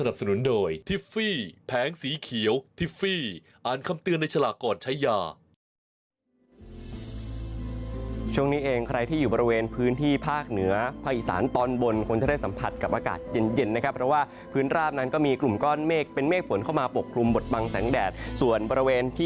โปรดติดตามตอนต่อไป